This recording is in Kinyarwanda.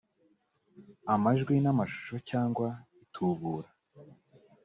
amajwi n amashusho cyangwa itubura